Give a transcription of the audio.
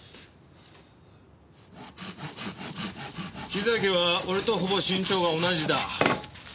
木崎は俺とほぼ身長が同じだ。